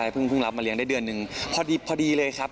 เพิ่งรับมาเลี้ยงได้เดือนหนึ่งพอดีเลยครับ